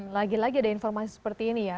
lagi lagi ada informasi seperti ini ya